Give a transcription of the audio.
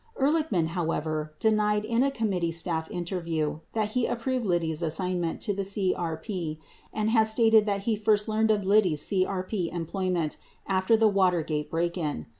16 Ehrlichman, however, denied in a committee staff interview that he approved Liddy's assignment to the CRP and has stated that he first learned of Liddy's CRP employment after the Watergate break in.